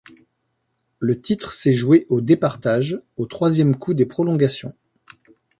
Le titre s'est joué au départage, au troisième coup des prolongations.